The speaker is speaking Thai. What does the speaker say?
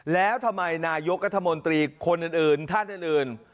แล้วทำไมนายกรัฐมนตรีคนอื่นท่านอื่น